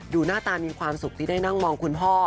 หน้าตามีความสุขที่ได้นั่งมองคุณพ่อ